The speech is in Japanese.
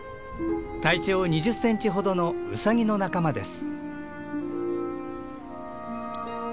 体長２０センチほどのウサギの仲間です。